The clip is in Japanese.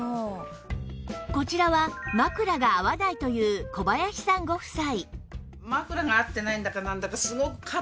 こちらは枕が合わないという小林さんご夫妻